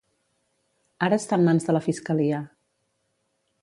Ara està en mans de la Fiscalia.